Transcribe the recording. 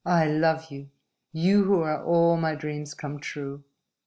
I love you you who are all my dreams come true!